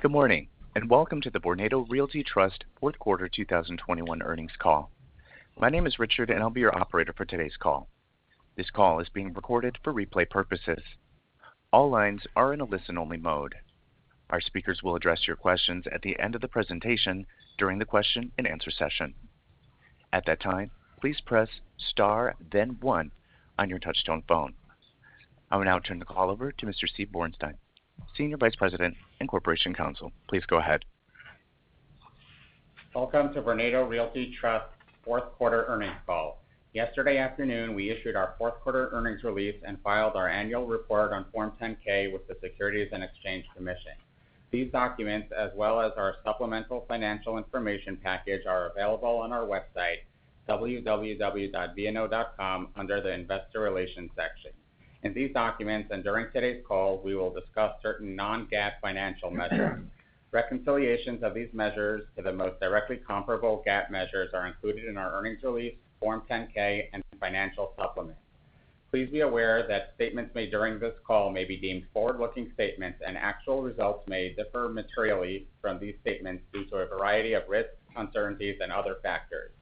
Good morning, and welcome to the Vornado Realty Trust fourth quarter 2021 earnings call. My name is Richard, and I'll be your operator for today's call. This call is being recorded for replay purposes. All lines are in a listen-only mode. Our speakers will address your questions at the end of the presentation during the question-and-answer session. At that time, please press star then one on your touchtone phone. I will now turn the call over to Mr. Steven Borenstein, Senior Vice President and Corporation Counsel. Please go ahead. Welcome to Vornado Realty Trust fourth quarter earnings call. Yesterday afternoon, we issued our fourth quarter earnings release and filed our annual report on Form 10-K with the Securities and Exchange Commission. These documents, as well as our supplemental financial information package, are available on our website www.vno.com under the Investor Relations section. In these documents and during today's call, we will discuss certain non-GAAP financial measures. Reconciliations of these measures to the most directly comparable GAAP measures are included in our earnings release, Form 10-K, and financial supplement. Please be aware that statements made during this call may be deemed forward-looking statements, and actual results may differ materially from these statements due to a variety of risks, uncertainties, and other factors.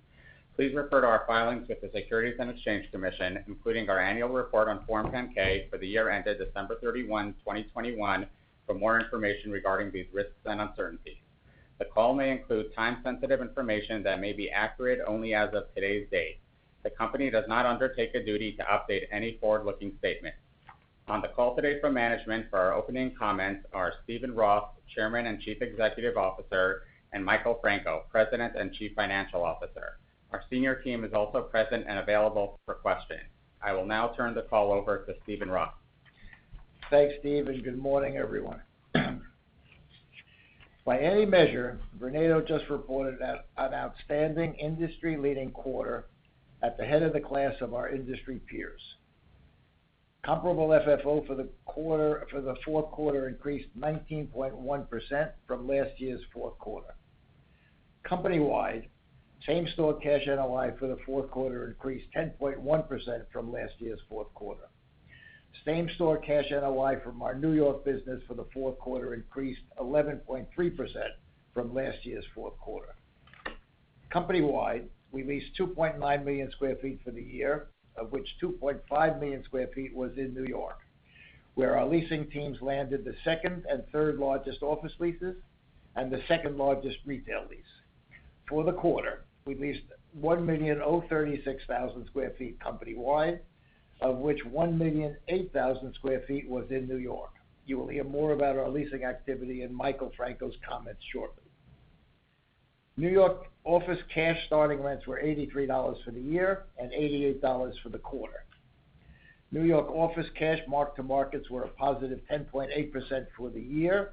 Please refer to our filings with the Securities and Exchange Commission, including our annual report on Form 10-K for the year ended December 31, 2021 for more information regarding these risks and uncertainties. The call may include time-sensitive information that may be accurate only as of today's date. The company does not undertake a duty to update any forward-looking statement. On the call today from management for our opening comments are Steven Roth, Chairman and Chief Executive Officer, and Michael Franco, President and Chief Financial Officer. Our senior team is also present and available for questions. I will now turn the call over to Steven Roth. Thanks, Steve, and good morning, everyone. By any measure, Vornado just reported an outstanding industry-leading quarter at the head of the class of our industry peers. Comparable FFO for the fourth quarter increased 19.1% from last year's fourth quarter. Company-wide, same-store cash NOI for the fourth quarter increased 10.1% from last year's fourth quarter. Same-store cash NOI from our New York business for the fourth quarter increased 11.3% from last year's fourth quarter. Company-wide, we leased 2.9 million sq ft for the year, of which 2.5 million sq ft was in New York, where our leasing teams landed the second and third largest office leases and the second largest retail lease. For the quarter, we leased 1,036,000 sq ft company-wide, of which 1,008,000 sq ft was in New York. You will hear more about our leasing activity in Michael Franco's comments shortly. New York office cash starting rents were $83 for the year and $88 for the quarter. New York office cash mark-to-markets were a positive 10.8% for the year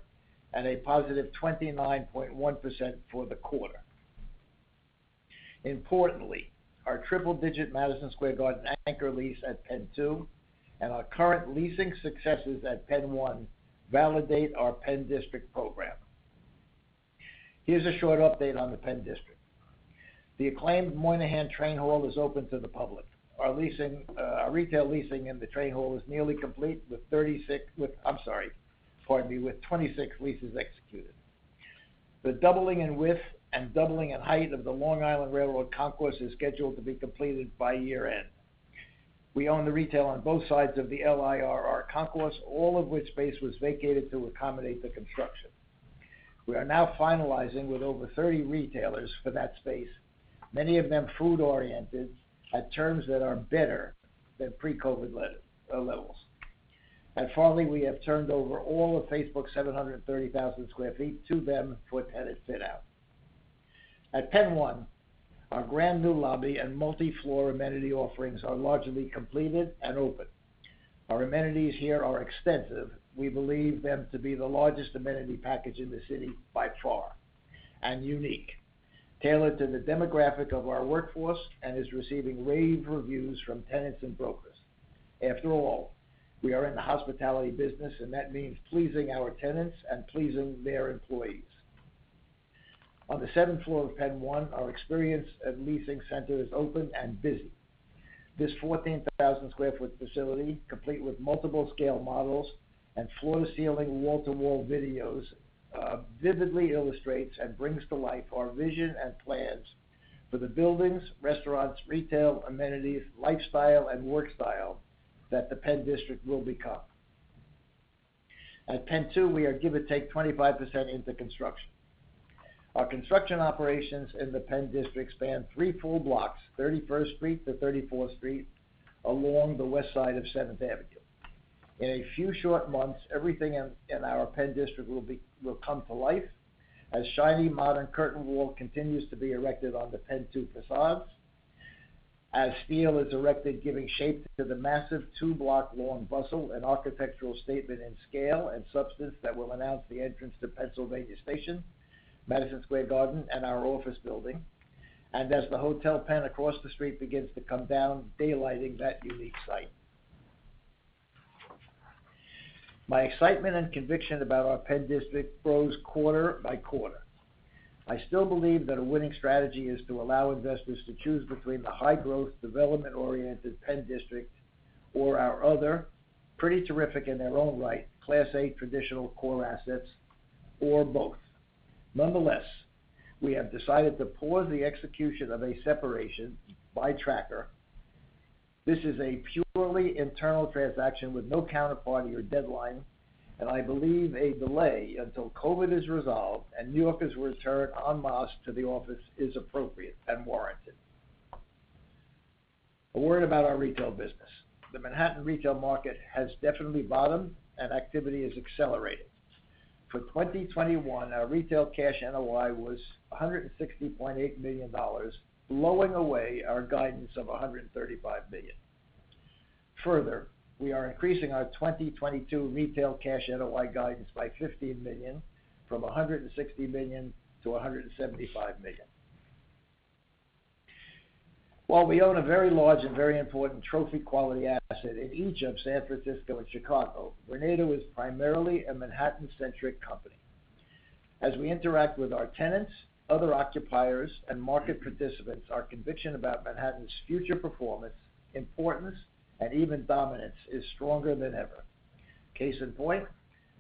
and a positive 29.1% for the quarter. Importantly, our triple-digit Madison Square Garden anchor lease at PENN 2 and our current leasing successes at PENN 1 validate our Penn District program. Here's a short update on the Penn District. The acclaimed Moynihan Train Hall is open to the public. Our retail leasing in the train hall is nearly complete with 26 leases executed. The doubling in width and doubling in height of the Long Island Railroad Concourse is scheduled to be completed by year-end. We own the retail on both sides of the LIRR Concourse, all of which space was vacated to accommodate the construction. We are now finalizing with over 30 retailers for that space, many of them food-oriented, at terms that are better than pre-COVID lease levels. At Farley, we have turned over all of Facebook's 730,000 sq ft to them for tenant fit-out. At PENN 1, our brand new lobby and multi-floor amenity offerings are largely completed and open. Our amenities here are extensive. We believe them to be the largest amenity package in the city by far, and unique, tailored to the demographic of our workforce and is receiving rave reviews from tenants and brokers. After all, we are in the hospitality business, and that means pleasing our tenants and pleasing their employees. On the seventh floor of PENN 1, our experiential leasing center is open and busy. This 14,000-square-foot facility, complete with multiple scale models and floor-to-ceiling wall-to-wall videos, vividly illustrates and brings to life our vision and plans for the buildings, restaurants, retail, amenities, lifestyle, and work style that the Penn District will become. At PENN 2, we are give or take 25% into construction. Our construction operations in the Penn District span three full blocks, 31st Street to 34th Street along the west side of Seventh Avenue. In a few short months, everything in our Penn District will come to life as shiny modern curtain wall continues to be erected on the PENN 2 facades, as steel is erected giving shape to the massive two-block-long bustle, an architectural statement in scale and substance that will announce the entrance to Pennsylvania Station, Madison Square Garden, and our office building as the Hotel Penn across the street begins to come down, daylighting that unique site. My excitement and conviction about our Penn District grows quarter by quarter. I still believe that a winning strategy is to allow investors to choose between the high growth development-oriented Penn District or our other pretty terrific in their own right class A traditional core assets or both. Nonetheless, we have decided to pause the execution of a separation via tracker. This is a purely internal transaction with no counterparty or deadline, and I believe a delay until COVID is resolved and New Yorkers return en masse to the office is appropriate and warranted. A word about our retail business. The Manhattan retail market has definitely bottomed and activity is accelerating. For 2021, our retail cash NOI was $160.8 million, blowing away our guidance of $135 million. Further, we are increasing our 2022 retail cash NOI guidance by $15 million from $160 million-$175 million. While we own a very large and very important trophy quality asset in each of San Francisco and Chicago, Vornado is primarily a Manhattan-centric company. As we interact with our tenants, other occupiers, and market participants, our conviction about Manhattan's future performance, importance, and even dominance is stronger than ever. Case in point,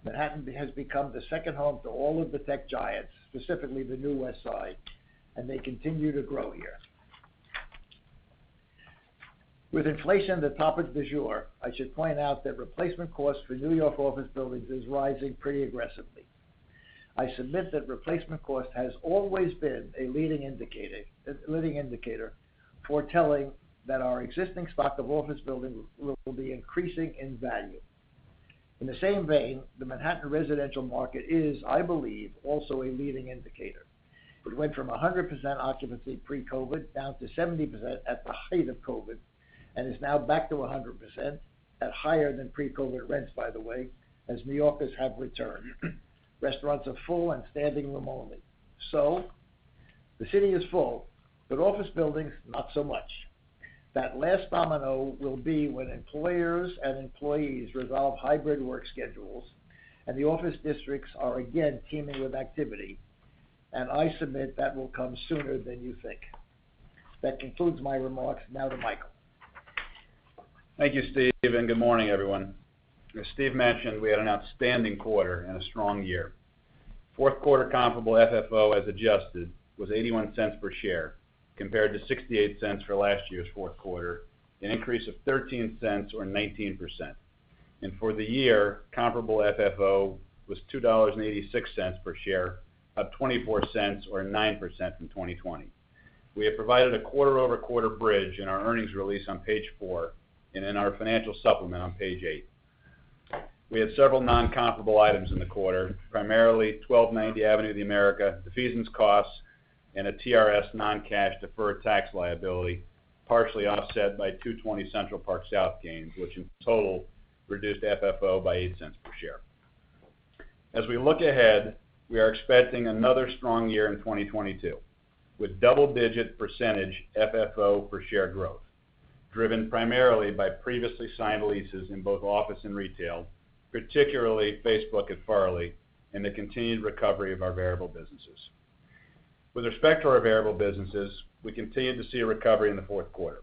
Manhattan has become the second home to all of the tech giants, specifically the new West Side, and they continue to grow here. With inflation the topic du jour, I should point out that replacement costs for New York office buildings is rising pretty aggressively. I submit that replacement cost has always been a leading indicator, a leading indicator foretelling that our existing stock of office buildings will be increasing in value. In the same vein, the Manhattan residential market is, I believe, also a leading indicator. It went from 100% occupancy pre-COVID down to 70% at the height of COVID, and is now back to 100% at higher than pre-COVID rents, by the way, as New Yorkers have returned. Restaurants are full and standing room only. The city is full, but office buildings not so much. That last domino will be when employers and employees resolve hybrid work schedules and the office districts are again teeming with activity. I submit that will come sooner than you think. That concludes my remarks. Now to Michael. Thank you, Steve, and good morning, everyone. As Steve mentioned, we had an outstanding quarter and a strong year. Fourth quarter comparable FFO, as adjusted, was $0.81 per share compared to $0.68 for last year's fourth quarter, an increase of $0.13 or 19%. For the year, comparable FFO was $2.86 per share, up $0.24 or 9% from 2020. We have provided a quarter-over-quarter bridge in our earnings release on page four and in our financial supplement on page eight. We had several non-comparable items in the quarter, primarily 1290 Avenue of the Americas defeasance costs, and a TRS non-cash deferred tax liability, partially offset by 220 Central Park South gains, which in total reduced FFO by $0.08 per share. As we look ahead, we are expecting another strong year in 2022, with double-digit percentage FFO per share growth, driven primarily by previously signed leases in both office and retail, particularly Facebook at Farley, and the continued recovery of our variable businesses. With respect to our variable businesses, we continued to see a recovery in the fourth quarter.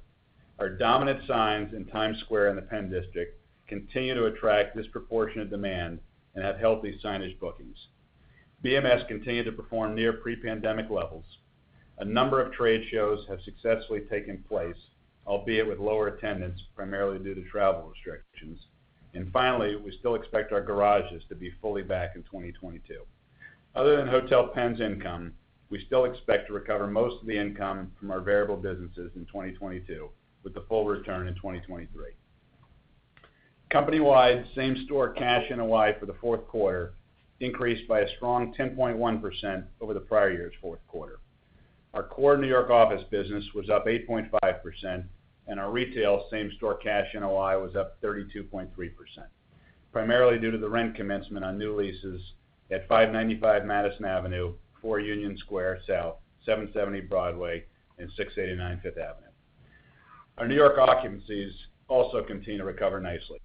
Our dominant signs in Times Square and the Penn District continue to attract disproportionate demand and have healthy signage bookings. BMS continued to perform near pre-pandemic levels. A number of trade shows have successfully taken place, albeit with lower attendance, primarily due to travel restrictions. Finally, we still expect our garages to be fully back in 2022. Other than Hotel Penn's income, we still expect to recover most of the income from our variable businesses in 2022, with the full return in 2023. Company-wide same-store cash NOI for the fourth quarter increased by a strong 10.1% over the prior year's fourth quarter. Our core New York office business was up 8.5%, and our retail same-store cash NOI was up 32.3%, primarily due to the rent commencement on new leases at 595 Madison Avenue, 4 Union Square South, 770 Broadway, and 689 Fifth Avenue. Our New York occupancies also continue to recover nicely.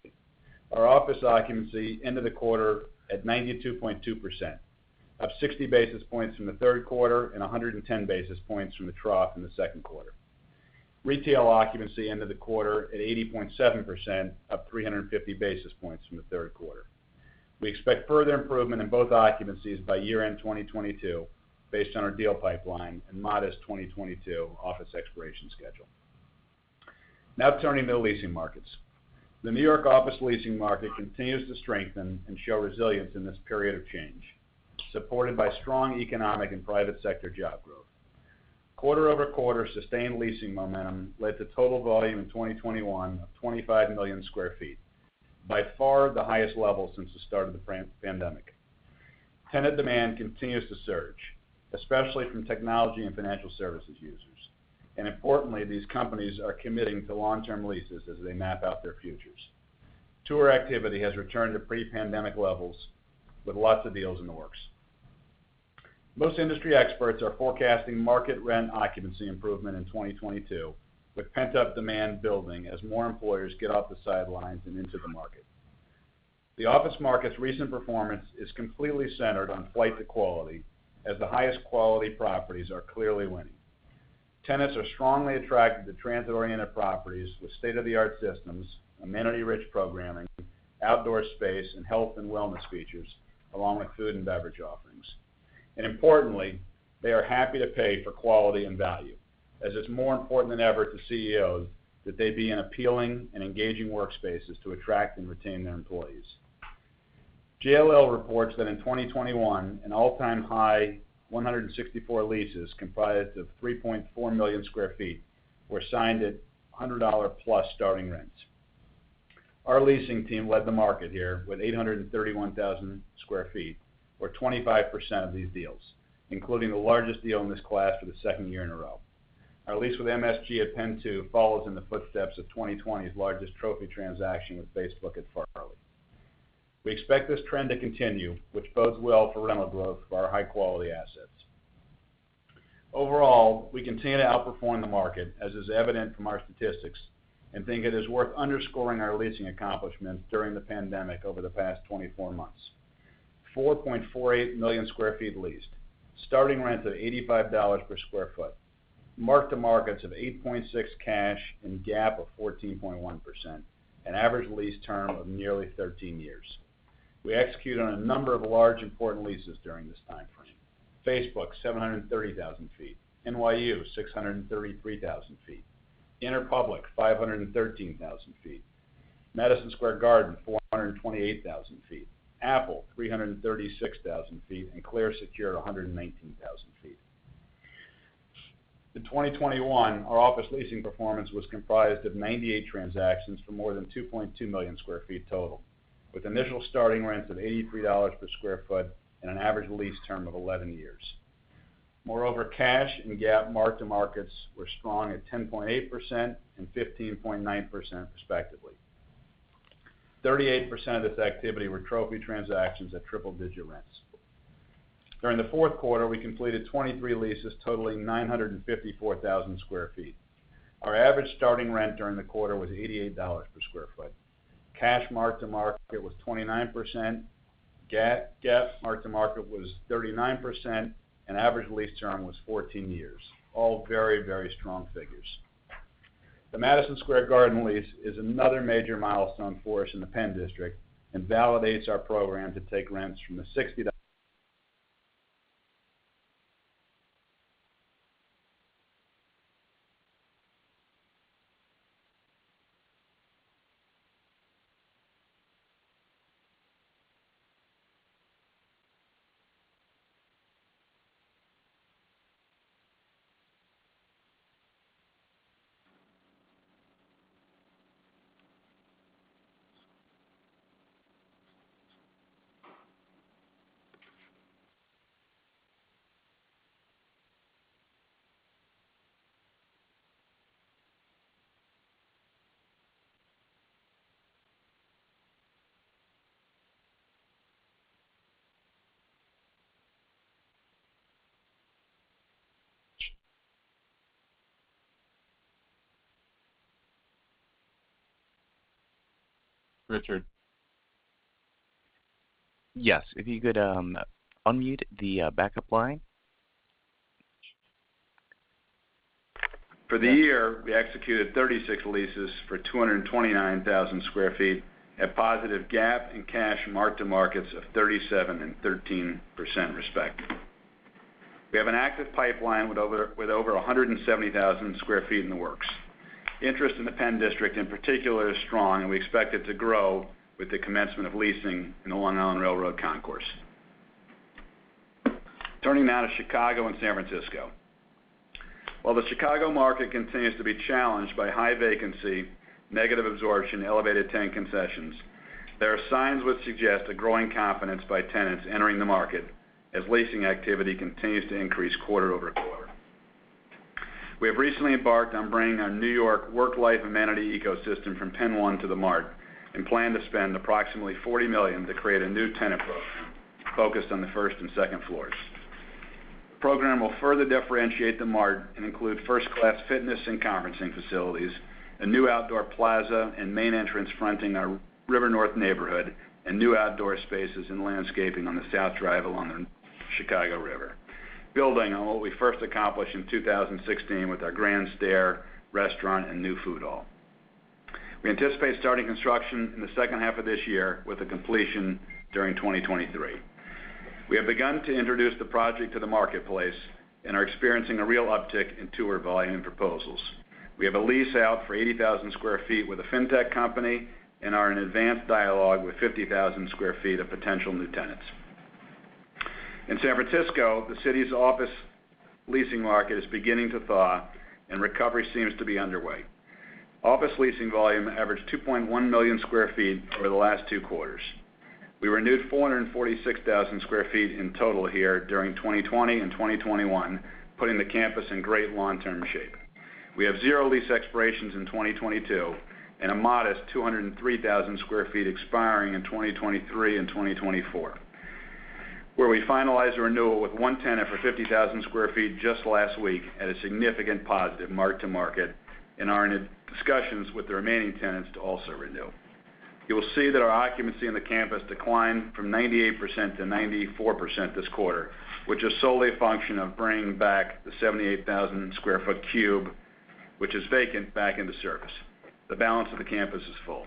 Our office occupancy ended the quarter at 92.2%, up 60 basis points from the third quarter and 110 basis points from the trough in the second quarter. Retail occupancy ended the quarter at 80.7%, up 350 basis points from the third quarter. We expect further improvement in both occupancies by year-end 2022 based on our deal pipeline and modest 2022 office expiration schedule. Now turning to the leasing markets. The New York office leasing market continues to strengthen and show resilience in this period of change, supported by strong economic and private sector job growth. Quarter-over-quarter sustained leasing momentum led to total volume in 2021 of 25 million sq ft, by far the highest level since the start of the pandemic. Tenant demand continues to surge, especially from technology and financial services users. Importantly, these companies are committing to long-term leases as they map out their futures. Tour activity has returned to pre-pandemic levels with lots of deals in the works. Most industry experts are forecasting market rent occupancy improvement in 2022, with pent-up demand building as more employers get off the sidelines and into the market. The office market's recent performance is completely centered on flight to quality as the highest quality properties are clearly winning. Tenants are strongly attracted to transit-oriented properties with state-of-the-art systems, amenity-rich programming, outdoor space and health and wellness features, along with food and beverage offerings. Importantly, they are happy to pay for quality and value as it's more important than ever to CEOs that they be in appealing and engaging workspaces to attract and retain their employees. JLL reports that in 2021, an all-time high 164 leases comprised of 3.4 million sq ft were signed at $100-plus starting rents. Our leasing team led the market here with 831,000 sq ft or 25% of these deals, including the largest deal in this class for the second year in a row. Our lease with MSG at PENN 2 follows in the footsteps of 2020's largest trophy transaction with Facebook at Farley. We expect this trend to continue, which bodes well for rental growth for our high-quality assets. Overall, we continue to outperform the market, as is evident from our statistics and think it is worth underscoring our leasing accomplishments during the pandemic over the past 24 months. 4.48 million sq ft leased. Starting rent of $85 per sq ft. Mark-to-markets of 8.6% cash and GAAP of 14.1%, an average lease term of nearly 13 years. We executed on a number of large important leases during this timeframe. Facebook, 730,000 sq ft. NYU, 633,000 sq ft. Interpublic, 513,000 sq ft. Madison Square Garden, 428,000 sq ft. Apple, 336,000 sq ft. Clear Secure, 119,000 sq ft. In 2021, our office leasing performance was comprised of 98 transactions for more than 2.2 million sq ft total, with initial starting rents of $83 per sq ft and an average lease term of 11 years. Moreover, cash and GAAP mark-to-markets were strong at 10.8% and 15.9% respectively. 38% of this activity were trophy transactions at triple-digit rents. During the fourth quarter, we completed 23 leases totaling 954,000 sq ft. Our average starting rent during the quarter was $88 per sq ft. Cash mark-to-market was 29%. GAAP mark-to-market was 39%, and average lease term was 14 years. All very, very strong figures. The Madison Square Garden lease is another major milestone for us in the Penn District and validates our program to take rents from the sixty. Richard. Yes, if you could, unmute the backup line. For the year, we executed 36 leases for 229,000 sq ft at positive GAAP and cash mark-to-markets of 37% and 13% respectively. We have an active pipeline with over 170,000 sq ft in the works. Interest in the Penn District in particular is strong, and we expect it to grow with the commencement of leasing in the Long Island Railroad Concourse. Turning now to Chicago and San Francisco. While the Chicago market continues to be challenged by high vacancy, negative absorption, elevated tenant concessions, there are signs which suggest a growing confidence by tenants entering the market as leasing activity continues to increase quarter-over-quarter. We have recently embarked on bringing our New York work-life amenity ecosystem from PENN 1 to the Mart and plan to spend approximately $40 million to create a new tenant program focused on the first and second floors. The program will further differentiate the Mart and include first-class fitness and conferencing facilities, a new outdoor plaza and main entrance fronting our River North neighborhood and new outdoor spaces and landscaping on the south drive along the Chicago River, building on what we first accomplished in 2016 with our grand stair, restaurant and new food hall. We anticipate starting construction in the second half of this year with a completion during 2023. We have begun to introduce the project to the marketplace and are experiencing a real uptick in tour volume proposals. We have a lease out for 80,000 sq ft with a fintech company and are in advanced dialogue with 50,000 sq ft of potential new tenants. In San Francisco, the city's office leasing market is beginning to thaw and recovery seems to be underway. Office leasing volume averaged 2.1 million sq ft over the last two quarters. We renewed 446,000 sq ft in total here during 2020 and 2021, putting the campus in great long-term shape. We have zero lease expirations in 2022 and a modest 203,000 sq ft expiring in 2023 and 2024. Where we finalized a renewal with one tenant for 50,000 sq ft just last week at a significant positive mark-to-market, and are in discussions with the remaining tenants to also renew. You will see that our occupancy in the campus declined from 98% to 94% this quarter, which is solely a function of bringing back the 78,000 sq ft cube, which is vacant, back into service. The balance of the campus is full.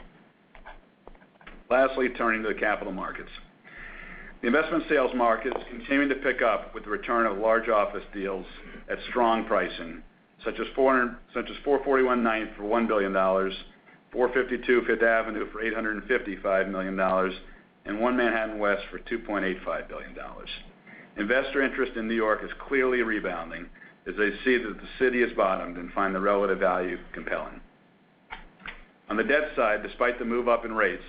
Lastly, turning to the capital markets. The investment sales market is continuing to pick up with the return of large office deals at strong pricing, such as 441 Ninth for $1 billion, 452 Fifth Avenue for $855 million, and One Manhattan West for $2.85 billion. Investor interest in New York is clearly rebounding as they see that the city has bottomed and find the relative value compelling. On the debt side, despite the move up in rates,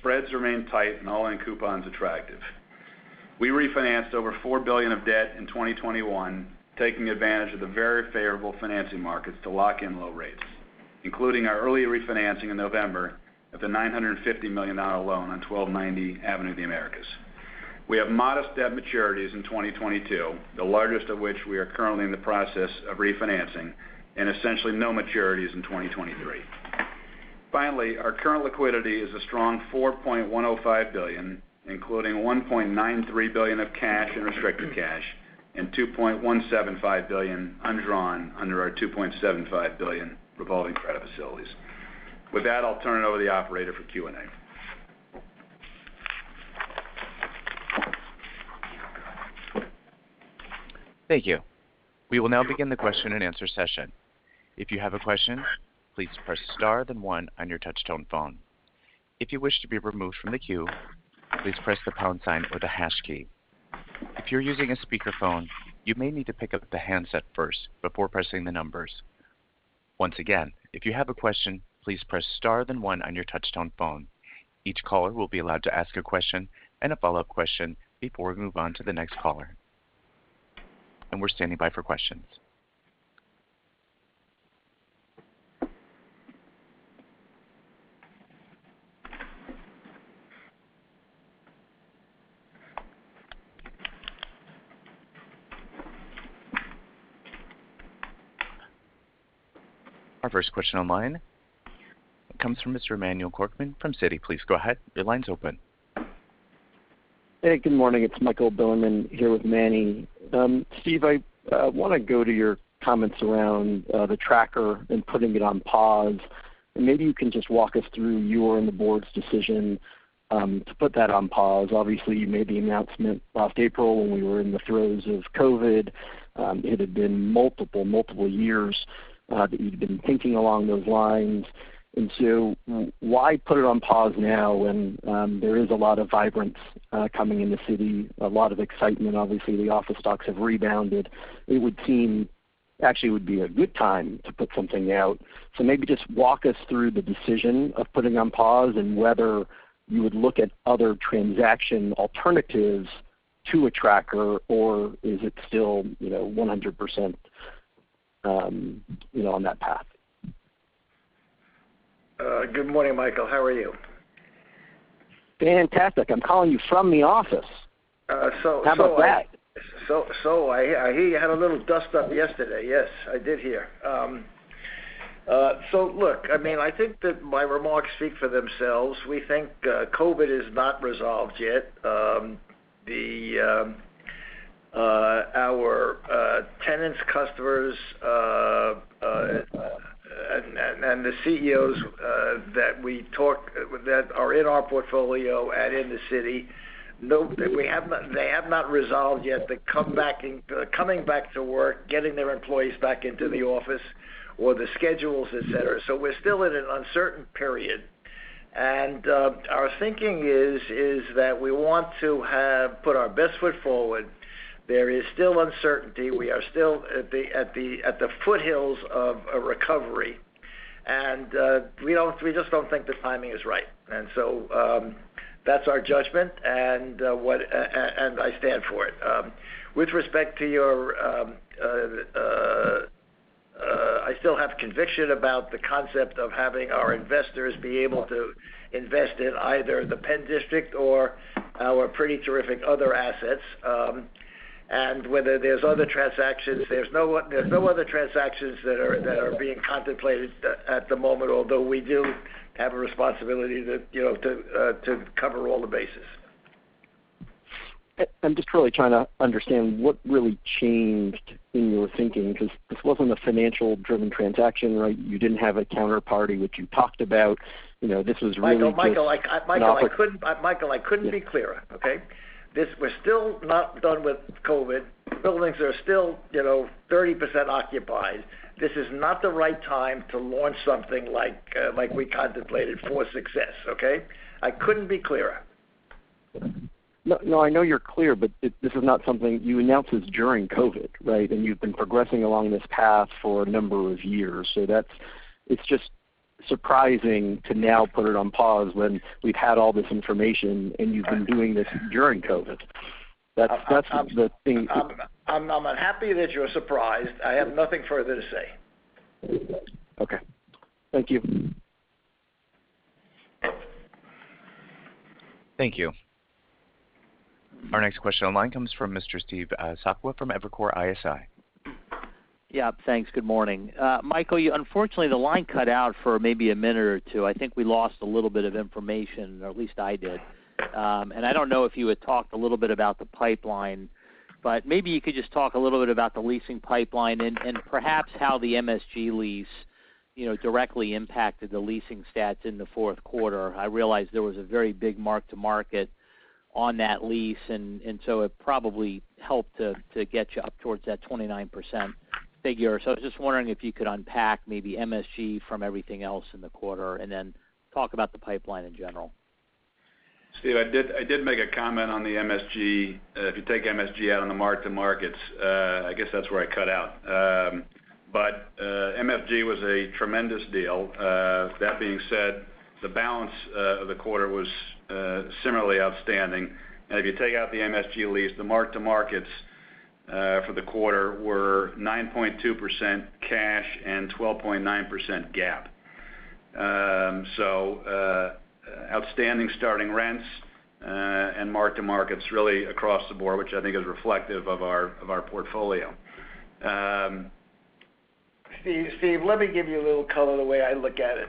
spreads remain tight and all-in coupons attractive. We refinanced over $4 billion of debt in 2021, taking advantage of the very favorable financing markets to lock in low rates, including our early refinancing in November of the $950 million loan on 1290 Avenue of the Americas. We have modest debt maturities in 2022, the largest of which we are currently in the process of refinancing, and essentially no maturities in 2023. Finally, our current liquidity is a strong $4.105 billion, including $1.93 billion of cash and restricted cash, and $2.175 billion undrawn under our $2.75 billion revolving credit facilities. With that, I'll turn it over to the operator for Q&A. Thank you. We will now begin the question-and-answer session. If you have a question, please press star then one on your touch-tone phone. If you wish to be removed from the queue, please press the pound sign or the hash key. If you're using a speakerphone, you may need to pick up the handset first before pressing the numbers. Once again, if you have a question, please press star then one on your touch-tone phone. Each caller will be allowed to ask a question and a follow-up question before we move on to the next caller. We're standing by for questions. Our first question online comes from Mr. Manny Korchman from Citi. Please go ahead. Your line's open. Hey, good morning. It's Michael Bilerman here with Manny. Steve, I wanna go to your comments around the tracker and putting it on pause. Maybe you can just walk us through your and the board's decision to put that on pause. Obviously, you made the announcement last April when we were in the throes of COVID. It had been multiple multiple years that you'd been thinking along those lines. Why put it on pause now when there is a lot of vibrancy coming in the city, a lot of excitement? Obviously, the office stocks have rebounded. It would seem. Actually, it would be a good time to put something out. Maybe just walk us through the decision of putting it on pause and whether you would look at other transaction alternatives to a tracker, or is it still, you know, 100%, you know, on that path? Good morning, Michael. How are you? Fantastic. I'm calling you from the office. Uh, so I. How about that? I hear you had a little dust-up yesterday. Yes, I did hear. Look, I mean, I think that my remarks speak for themselves. We think COVID is not resolved yet. Our tenants, customers, and the CEOs that we talk with that are in our portfolio and in the city know that they have not resolved yet the coming back to work, getting their employees back into the office or the schedules, et cetera. We're still in an uncertain period. Our thinking is that we want to have put our best foot forward. There is still uncertainty. We are still at the foothills of a recovery. We don't, we just don't think the timing is right. That's our judgment and I stand for it. With respect to your, I still have conviction about the concept of having our investors be able to invest in either the Penn District or our pretty terrific other assets, and whether there's other transactions. There's no other transactions that are being contemplated at the moment, although we do have a responsibility to you know to cover all the bases. I'm just really trying to understand what really changed in your thinking because this wasn't a financial driven transaction, right? You didn't have a counterparty, which you talked about. You know, this was really just. Michael, I couldn't. Yeah. Michael, I couldn't be clearer, okay? This, we're still not done with COVID. Buildings are still, you know, 30% occupied. This is not the right time to launch something like we contemplated for success, okay? I couldn't be clearer. No, no, I know you're clear, but this is not something. You announced this during COVID, right? You've been progressing along this path for a number of years. That's it. It's just surprising to now put it on pause when we've had all this information, and you've been doing this during COVID. That's the thing. I'm happy that you're surprised. I have nothing further to say. Okay. Thank you. Thank you. Our next question online comes from Mr. Steve Sakwa from Evercore ISI. Yeah, thanks. Good morning. Michael, you unfortunately, the line cut out for maybe a minute or two. I think we lost a little bit of information, or at least I did. I don't know if you had talked a little bit about the pipeline, but maybe you could just talk a little bit about the leasing pipeline and perhaps how the MSG lease, you know, directly impacted the leasing stats in the fourth quarter. I realize there was a very big mark-to-market on that lease, and so it probably helped to get you up towards that 29% figure. I was just wondering if you could unpack maybe MSG from everything else in the quarter, and then talk about the pipeline in general. Steve, I did make a comment on the MSG. If you take MSG out on the mark-to-markets, I guess that's where I cut out. MSG was a tremendous deal. That being said, the balance of the quarter was similarly outstanding. Now, if you take out the MSG lease, the mark-to-markets for the quarter were 9.2% cash and 12.9% GAAP. Outstanding starting rents and mark-to-markets really across the board, which I think is reflective of our portfolio. Steve, let me give you a little color the way I look at it.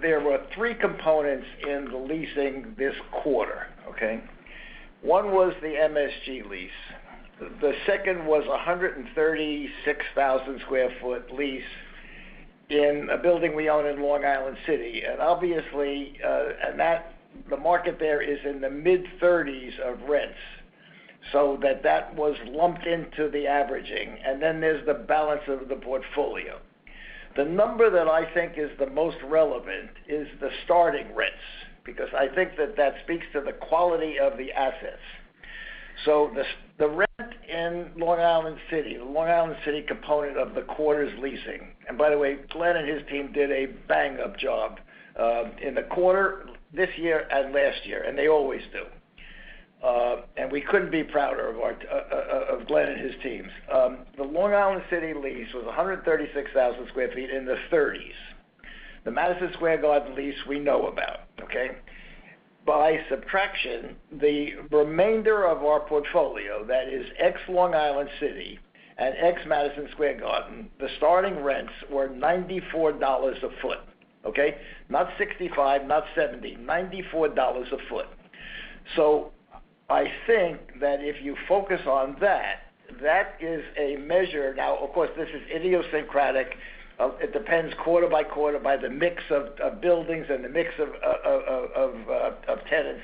There were three components in the leasing this quarter, okay? One was the MSG lease. The second was a 136,000 sq ft lease in a building we own in Long Island City. Obviously, the market there is in the mid-30s of rents, so that was lumped into the averaging. Then there's the balance of the portfolio. The number that I think is the most relevant is the starting rents, because I think that speaks to the quality of the assets. The rent in Long Island City, the Long Island City component of the quarter's leasing. By the way, Glen and his team did a bang-up job in the quarter this year and last year, and they always do. We couldn't be prouder of our Glen and his teams. The Long Island City lease was 136,000 sq ft in the 30s. The Madison Square Garden lease we know about, okay? By subtraction, the remainder of our portfolio, that is ex-Long Island City and ex-Madison Square Garden, the starting rents were $94 a foot, okay? Not $65, not $70, $94 a foot. I think that if you focus on that is a measure. Now, of course, this is idiosyncratic. It depends quarter by quarter by the mix of tenants.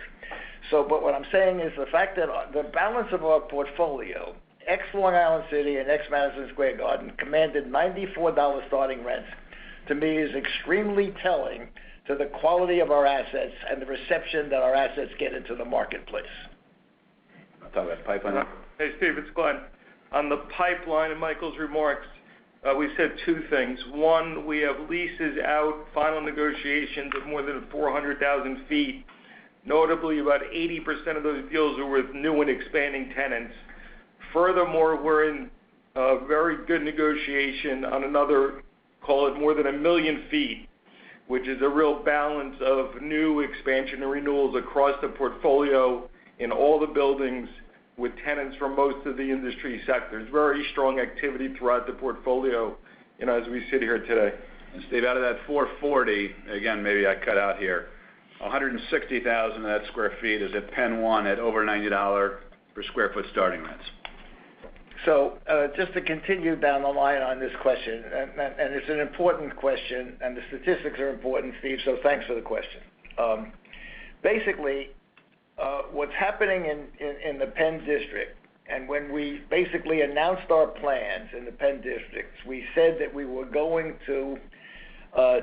What I'm saying is the fact that the balance of our portfolio, ex-Long Island City and ex-Madison Square Garden, commanded $94 starting rents, to me, is extremely telling to the quality of our assets and the reception that our assets get into the marketplace. I'll talk about pipeline. Hey, Steve, it's Glen. On the pipeline and Michael's remarks, we said two things. One, we have leases out final negotiations of more than 400,000 sq ft. Notably, about 80% of those deals are with new and expanding tenants. Furthermore, we're in a very good negotiation on another, call it more than a million sq ft, which is a real balance of new expansion and renewals across the portfolio in all the buildings with tenants from most of the industry sectors. Very strong activity throughout the portfolio, you know, as we sit here today. Steve, out of that 440, again, maybe I cut out here, 160,000 of that sq ft is at PENN 1 at over $90 per sq ft starting rents. Just to continue down the line on this question, and it's an important question and the statistics are important, Steve, so thanks for the question. Basically, what's happening in the Penn District, and when we basically announced our plans in the Penn District, we said that we were going to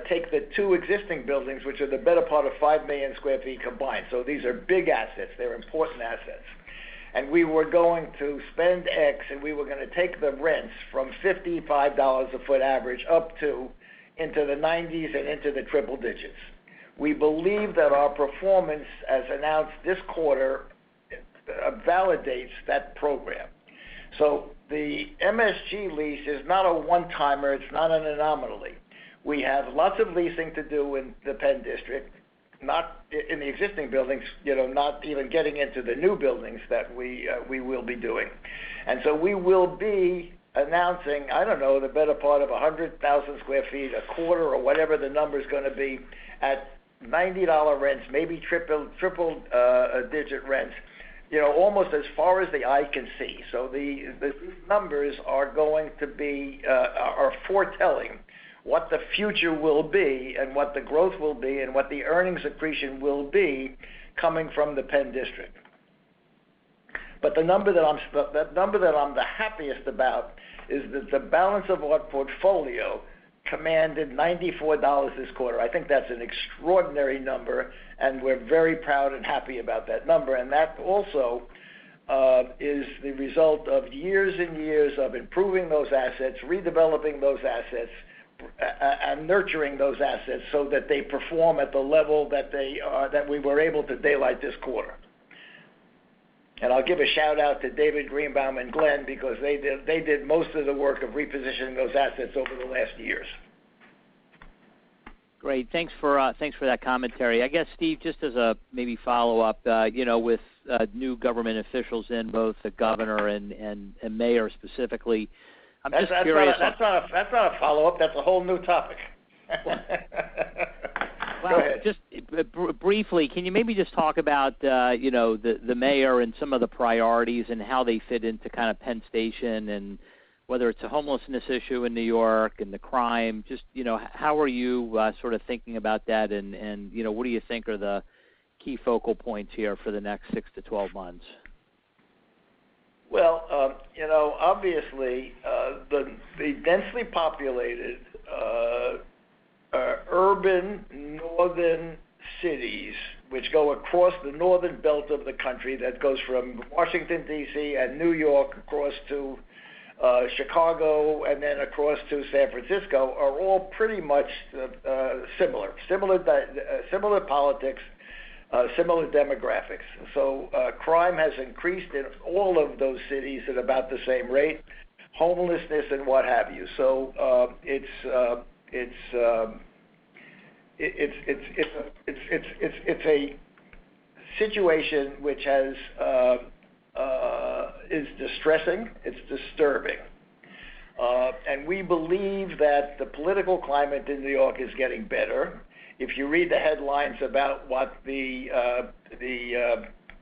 take the two existing buildings, which are the better part of 5 million sq ft combined. These are big assets, they're important assets. We were going to spend X, and we were gonna take the rents from $55 a sq ft average up to, into the 90s and into the triple digits. We believe that our performance, as announced this quarter, validates that program. The MSG lease is not a one-timer. It's not an anomaly. We have lots of leasing to do in the Penn District, not in the existing buildings, you know, not even getting into the new buildings that we will be doing. We will be announcing, I don't know, the better part of 100,000 sq ft a quarter or whatever the number's gonna be at $90 rents, maybe triple-digit rents, you know, almost as far as the eye can see. The numbers are going to be foretelling what the future will be and what the growth will be and what the earnings accretion will be coming from the Penn District. The number that I'm the happiest about is that the balance of our portfolio commanded $94 this quarter. I think that's an extraordinary number, and we're very proud and happy about that number. That also is the result of years and years of improving those assets, redeveloping those assets, and nurturing those assets so that they perform at the level that we were able to daylight this quarter. I'll give a shout-out to David Greenbaum and Glen because they did most of the work of repositioning those assets over the last years. Great. Thanks for that commentary. I guess, Steve, just as a maybe follow-up, you know, with new government officials in, both the governor and mayor specifically, I'm just curious. That's not a follow-up. That's a whole new topic. Go ahead. Well, just briefly, can you maybe just talk about, you know, the mayor and some of the priorities and how they fit into kinda Penn Station, and whether it's a homelessness issue in New York and the crime, just, you know, how are you sort of thinking about that and, you know, what do you think are the key focal points here for the next six to twelve months? Well, you know, obviously, the densely populated urban northern cities which go across the northern belt of the country, that goes from Washington, D.C. and New York across to Chicago, and then across to San Francisco, are all pretty much similar. Similar to similar politics, similar demographics. Crime has increased there and all of those cities have the same rate. Homelessness is one hobby. It's a situation which is distressing. It's disturbing. We believe that the political climate in New York is getting better. If you read the headlines about what the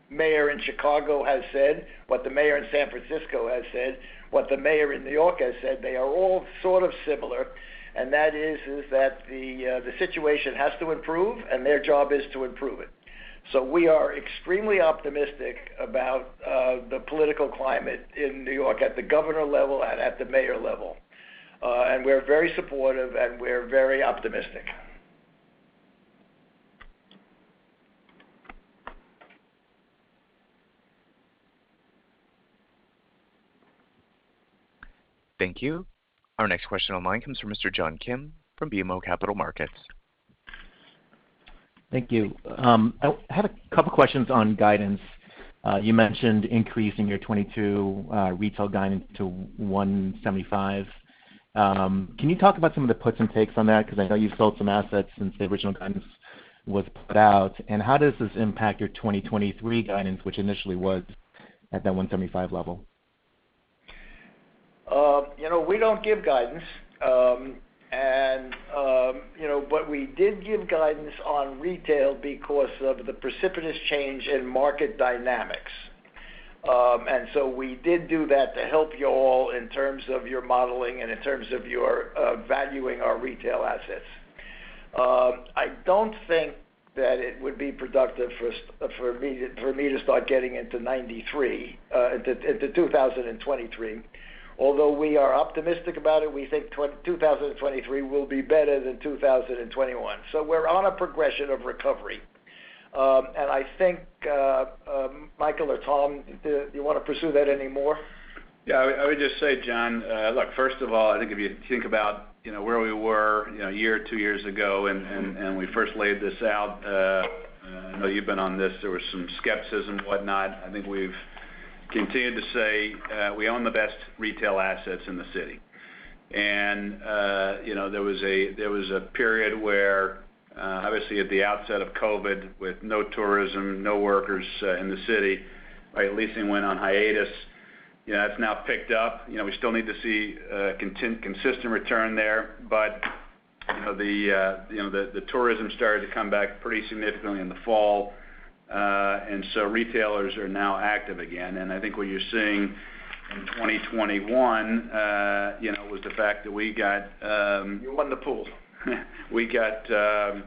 mayor in Chicago has said, what the mayor in San Francisco has said, what the mayor in New York has said, they are all sort of similar, and that is that the situation has to improve, and their job is to improve it. We are extremely optimistic about the political climate in New York at the governor level and at the mayor level. We're very supportive, and we're very optimistic. Thank you. Our next question on the line comes from Mr. John Kim from BMO Capital Markets. Thank you. I had a couple questions on guidance. You mentioned increasing your 2022 retail guidance to $175. Can you talk about some of the puts and takes on that? 'Cause I know you sold some assets since the original guidance was put out. How does this impact your 2023 guidance, which initially was at that $175 level? You know, we don't give guidance. We did give guidance on retail because of the precipitous change in market dynamics. We did do that to help you all in terms of your modeling and in terms of your valuing our retail assets. I don't think that it would be productive for me to start getting into 2023. Although we are optimistic about it, we think 2023 will be better than 2021. We're on a progression of recovery. I think Michael or Tom, do you want to pursue that any more? Yeah, I would just say, John, look, first of all, I think if you think about, you know, where we were, you know, a year or two years ago and we first laid this out, I know you've been on this. There was some skepticism, whatnot. I think we've continued to say, we own the best retail assets in the city. You know, there was a period where, obviously at the outset of COVID, with no tourism, no workers in the city, right, leasing went on hiatus. You know, it's now picked up. You know, we still need to see consistent return there. You know, the tourism started to come back pretty significantly in the fall. Retailers are now active again. I think what you're seeing in 2021, you know, was the fact that we got, You won the pools. We got the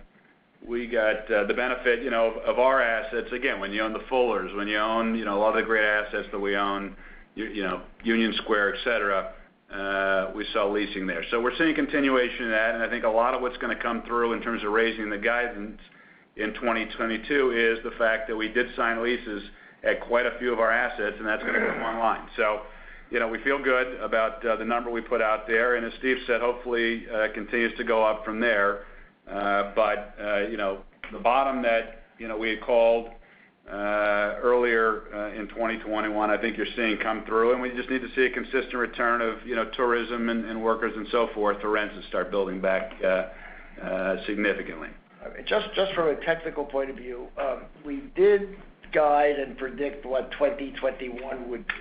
benefit, you know, of our assets. Again, when you own the Fuller, you know, a lot of great assets that we own, you know, Union Square, et cetera, we saw leasing there. We're seeing continuation of that, and I think a lot of what's gonna come through in terms of raising the guidance in 2022 is the fact that we did sign leases at quite a few of our assets, and that's gonna come online. You know, we feel good about the number we put out there. As Steve said, hopefully continues to go up from there you know, the bottom that you know, we had called earlier in 2021, I think you're seeing come through, and we just need to see a consistent return of you know, tourism and workers and so forth for rents to start building back significantly. Just from a technical point of view, we did guide and predict what 2021 would be.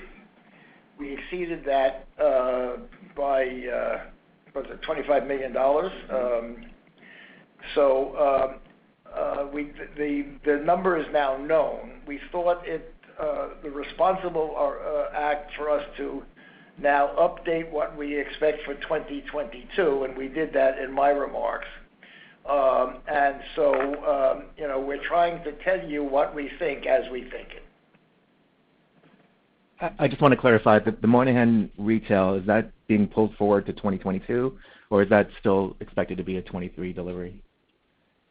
We exceeded that by, was it $25 million? The number is now known. We thought it the responsible act for us to now update what we expect for 2022, and we did that in my remarks. You know, we're trying to tell you what we think as we think it. I just wanna clarify. The Moynihan retail, is that being pulled forward to 2022, or is that still expected to be a 2023 delivery?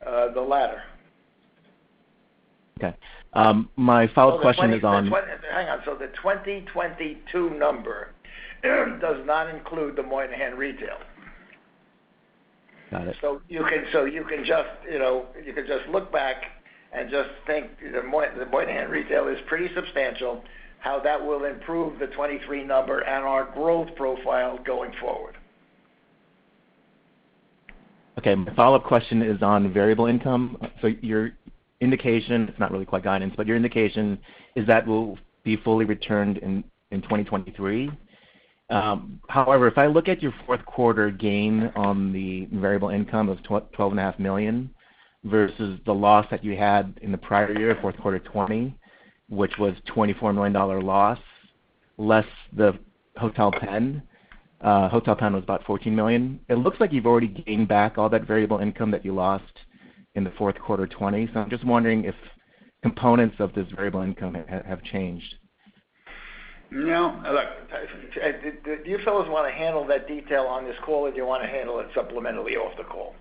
The latter. Okay. My final question is on. The 2022 number does not include the Moynihan retail. You can just, you know, look back and just think the Moynihan retail is pretty substantial, how that will improve the 2023 number and our growth profile going forward. Okay. My follow-up question is on variable income. Your indication, it's not really quite guidance, but your indication is that it will be fully returned in 2023. However, if I look at your fourth quarter gain on the variable income of $12.5 million versus the loss that you had in the prior year, fourth quarter 2020, which was $24 million dollar loss, less the Hotel Penn. Hotel Penn was about $14 million. It looks like you've already gained back all that variable income that you lost in the fourth quarter 2020. I'm just wondering if components of this variable income have changed. No. Look, do you fellows wanna handle that detail on this call, or do you wanna handle it supplementally off the call?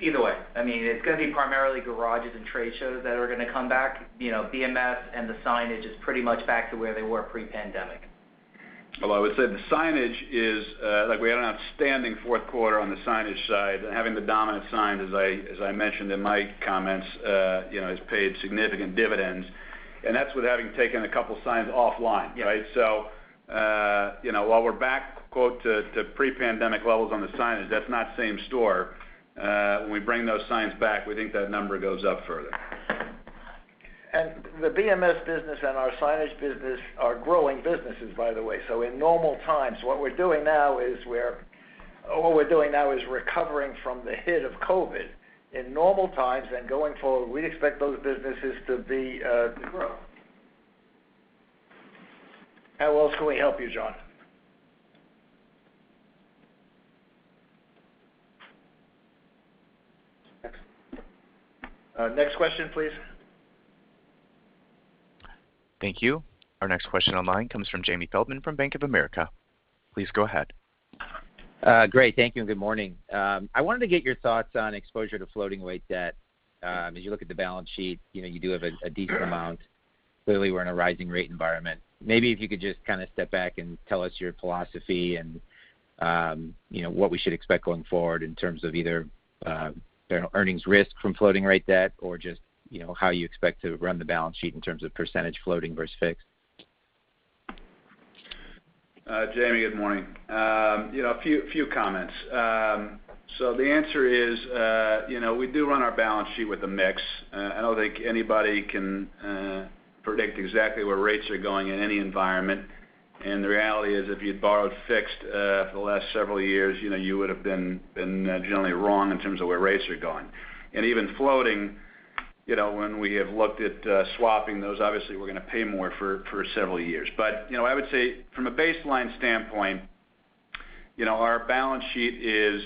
Either way. I mean, it's gonna be primarily garages and trade shows that are gonna come back. You know, BMS and the signage is pretty much back to where they were pre-pandemic. Well, I would say the signage is like we had an outstanding fourth quarter on the signage side. Having the dominant signs, as I mentioned in my comments, you know, has paid significant dividends, and that's with having taken a couple signs offline, right? Yeah. You know, while we're back up to pre-pandemic levels on the signage, that's not same-store. When we bring those signs back, we think that number goes up further. The BMS business and our signage business are growing businesses, by the way. In normal times, what we're doing now is recovering from the hit of COVID. In normal times, and going forward, we'd expect those businesses to be, to grow. How else can we help you, John? Next question, please. Thank you. Our next question on line comes from Jamie Feldman from Bank of America. Please go ahead. Great. Thank you, and good morning. I wanted to get your thoughts on exposure to floating rate debt. As you look at the balance sheet, you know, you do have a decent amount. Clearly, we're in a rising rate environment. Maybe if you could just kinda step back and tell us your philosophy and, you know, what we should expect going forward in terms of either, earnings risk from floating rate debt or just, you know, how you expect to run the balance sheet in terms of percentage floating versus fixed. Jamie, good morning. You know, a few comments. The answer is, you know, we do run our balance sheet with a mix. I don't think anybody can predict exactly where rates are going in any environment. The reality is, if you'd borrowed fixed for the last several years, you know, you would've been generally wrong in terms of where rates are going. Even floating, you know, when we have looked at swapping those, obviously, we're gonna pay more for several years. You know, I would say from a baseline standpoint, you know, our balance sheet is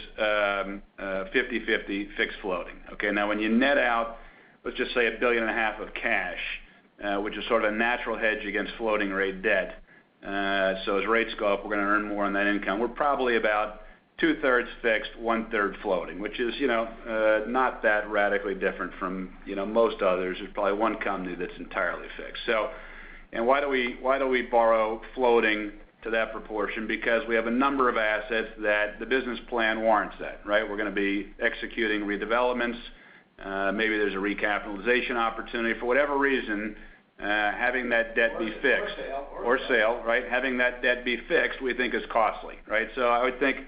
50/50 fixed floating, okay? Now, when you net out, let's just say $1.5 billion of cash, which is sort of natural hedge against floating rate debt. As rates go up, we're gonna earn more on that income. We're probably about 2/3 fixed, one-third floating, which is, you know, not that radically different from, you know, most others. There's probably one company that's entirely fixed. Why do we borrow floating to that proportion? Because we have a number of assets that the business plan warrants that, right? We're gonna be executing redevelopments. Maybe there's a recapitalization opportunity. For whatever reason, having that debt be fixed. Sale. For sale, right? Having that debt be fixed, we think is costly, right? I would think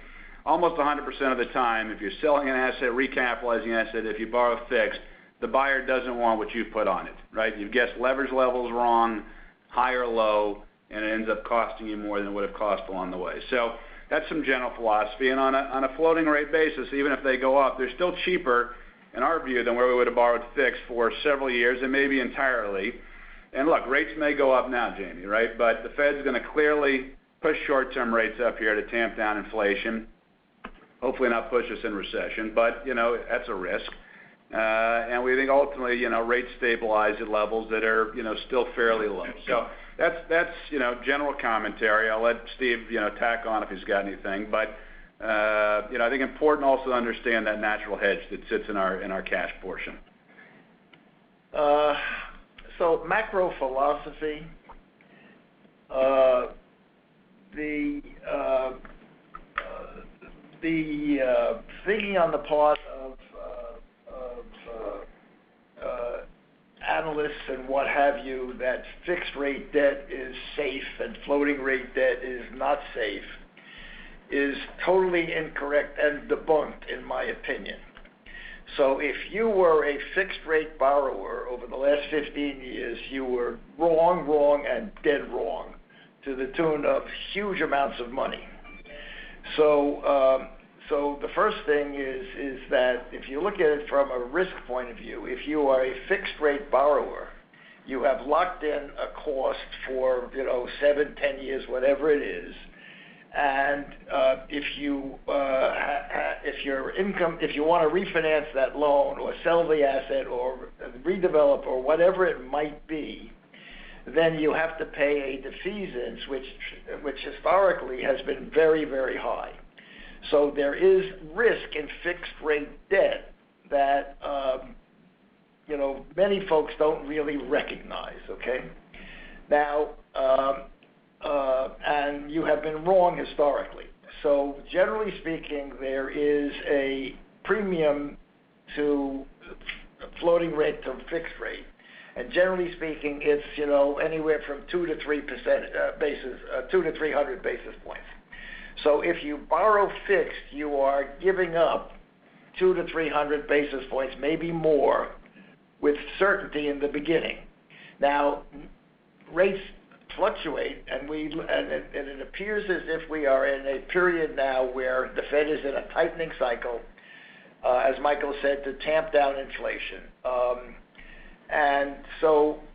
almost 100% of the time, if you're selling an asset, recapitalizing an asset, if you borrow fixed, the buyer doesn't want what you've put on it, right? You've guessed leverage levels wrong, high or low, and it ends up costing you more than it would've cost along the way. That's some general philosophy. On a floating rate basis, even if they go up, they're still cheaper, in our view, than where we would've borrowed fixed for several years and maybe entirely. Look, rates may go up now, Jamie, right? The Fed's gonna clearly push short-term rates up here to tamp down inflation, hopefully not push us in recession. You know, that's a risk. We think ultimately, you know, rates stabilize at levels that are, you know, still fairly low. That's you know, general commentary. I'll let Steve, you know, tack on if he's got anything. You know, I think important also to understand that natural hedge that sits in our cash portion. Macro philosophy, the thinking on the part of analysts and what have you, that fixed rate debt is safe and floating rate debt is not safe, is totally incorrect and debunked, in my opinion. If you were a fixed rate borrower over the last 15 years, you were wrong and dead wrong, to the tune of huge amounts of money. The first thing is that if you look at it from a risk point of view, if you are a fixed rate borrower, you have locked in a cost for, you know, seven, 10 years, whatever it is. If you wanna refinance that loan or sell the asset or redevelop or whatever it might be, then you have to pay a defeasance, which historically has been very, very high. There is risk in fixed rate debt that you know, many folks don't really recognize, okay? Now, you have been wrong historically. Generally speaking, there is a premium to floating rate to fixed rate. Generally speaking, it's, you know, anywhere from 2%-3%, 200-300 basis points. If you borrow fixed, you are giving up 200-300 basis points, maybe more, with certainty in the beginning. Now, rates fluctuate, and it appears as if we are in a period now where the Fed is in a tightening cycle, as Michael said, to tamp down inflation.